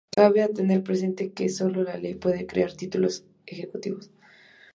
Cabe tener presente que sólo la ley puede crear títulos ejecutivos.